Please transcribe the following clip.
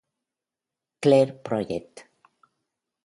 Clair Project".